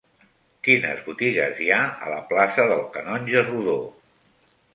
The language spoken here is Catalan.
Quines botigues hi ha a la plaça del Canonge Rodó?